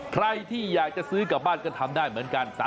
ใครที่อยากจะซื้อกลับบ้านก็ทำได้เหมือนกัน